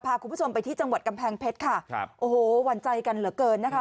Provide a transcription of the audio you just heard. พาคุณผู้ชมไปที่จังหวัดกำแพงเพชรค่ะครับโอ้โหหวั่นใจกันเหลือเกินนะคะ